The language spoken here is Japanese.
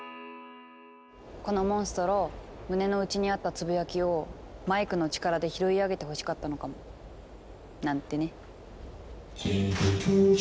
このモンストロ胸の内にあったつぶやきをマイクの力で拾い上げてほしかったのかも。なんてね。